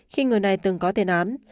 khi người này từng có tên án